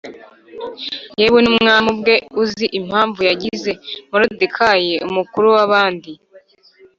Yewe n ‘umwami ubwe uzi impamvu yagize Moridekayi umukuru wabandi